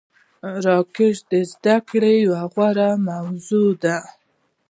راکټ د زده کړې یوه غوره موضوع ده